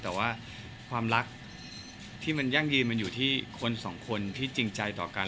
แต่ว่าความรักที่มันยั่งยืนมันอยู่ที่คนสองคนที่จริงใจต่อกัน